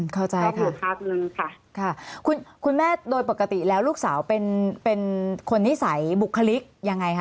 เข้าใจค่ะคุณแม่โดยปกติแล้วลูกสาวเป็นคนนิสัยบุคลิกยังไงคะ